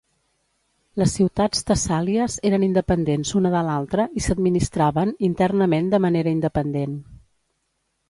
Les ciutats tessàlies eren independents una de l'altra i s'administraven internament de manera independent.